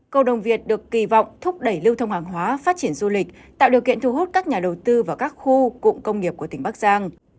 cầu đồng việt được kỳ vọng thúc đẩy lưu thông hàng hóa phát triển du lịch tạo điều kiện thu hút các nhà đầu tư vào các khu cụm công nghiệp của tỉnh bắc giang